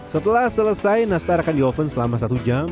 setelah selesai nastar akan di oven selama satu jam